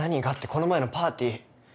この前のパーティー